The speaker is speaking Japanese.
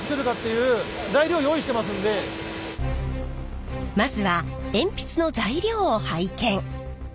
ちなみにまずは鉛筆の材料を拝見。